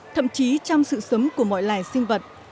thậm chí trong sự sống của mọi loài sinh vật